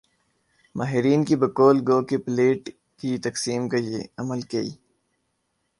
ماہرین کی بقول گو کہ پلیٹ کی تقسیم کا یہ عمل کئی